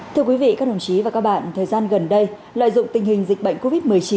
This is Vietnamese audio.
thưa quý vị các đồng chí và các bạn thời gian gần đây lợi dụng tình hình dịch bệnh covid một mươi chín